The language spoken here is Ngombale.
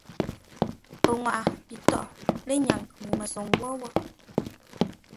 Pənŋwaʼa pi tóghʼ lə́nyaŋ ŋuu-məsoŋ wó wó.